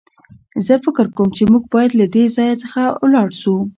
زه فکر کوم چې موږ بايد له دې ځای څخه ولاړ شو.